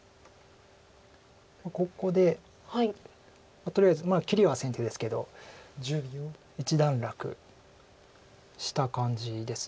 ここでとりあえず切りは先手ですけど一段落した感じです。